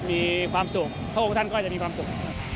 มีความสุขพระองค์ท่านก็จะมีความสุข